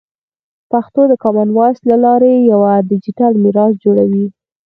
پښتو د کامن وایس له لارې یوه ډیجیټل میراث جوړوي.